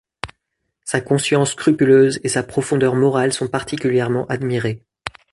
Sa conscience scrupuleuse et sa profondeur morale sont particulièrement admirées.